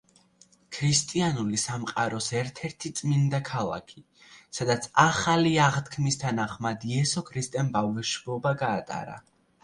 ქრისტიანული სამყაროს ერთ-ერთი წმინდა ქალაქი, სადაც ახალი აღთქმის თანახმად იესო ქრისტემ ბავშვობა გაატარა.